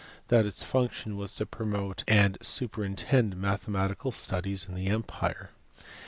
that its function was to promote and superintend mathematical studies in the empire.